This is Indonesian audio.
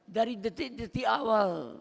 dari detik detik awal